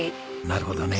なるほどね。